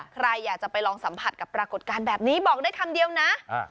ใครอยากจะไปลองสัมผัสกับปรากฏการณ์แบบนี้บอกได้คำเดียวนะ